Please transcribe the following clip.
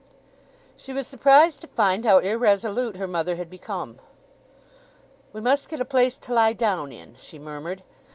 She was surprised to find how irresolute her mother had become. "We must get a place to lie down in," she murmured.